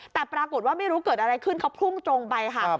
แต่ปรากฏว่าไม่รู้เกิดอะไรขึ้นเขาพุ่งตรงไปค่ะ